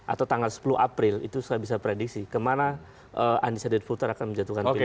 atau tanggal sepuluh april itu saya bisa prediksi kemana undecided voter akan menjatuhkan pilihan